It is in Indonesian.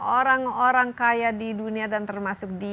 orang orang kaya di dunia dan termasuk di